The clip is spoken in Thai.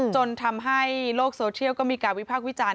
จนทำให้โลกโซเชียลก็มีการวิพากษ์วิจารณ